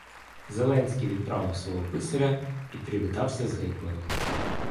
Зеленський відправив свого писаря і привітався з гетьманом.